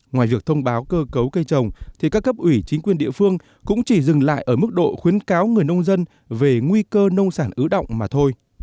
ngoài việc thông báo cơ cấu cây trồng thì các cấp ủy chính quyền địa phương cũng chỉ dừng lại ở mức độ khuyến cáo người nông dân về nguy cơ nông sản ứ động mà thôi